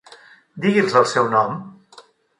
Digui'ls el seu nom?